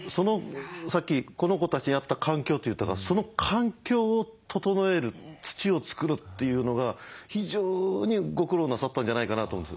さっき「この子たちに合った環境」って言ったからその環境を整える土を作るっていうのが非常にご苦労なさったんじゃないかなと思います。